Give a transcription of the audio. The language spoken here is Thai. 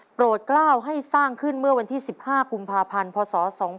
โปรดกล้าวให้สร้างขึ้นเมื่อวันที่๑๕กุมภาพันธ์พศ๒๕๖